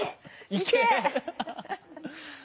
いけ。